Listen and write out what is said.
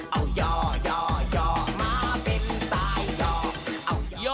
เอาย่อย่อย่อมาเป็นสายย่อ